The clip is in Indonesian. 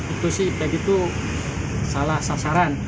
itu sih back itu salah sasaran